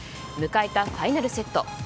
迎えたファイナルセット。